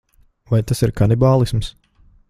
Vai tas ir kanibālisms?